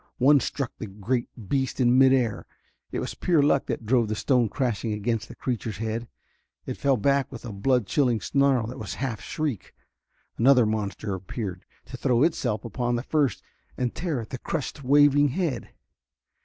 One struck the great beast in mid air; it was pure luck that drove the stone crashing against the creature's head. It fell back with a blood chilling snarl that was half shriek. Another monster appeared, to throw itself upon the first and tear at the crushed, waving head.